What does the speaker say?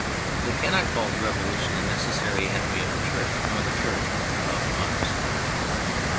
They cannot call the Revolution a necessary enemy of the Church, nor the Church of Democracy.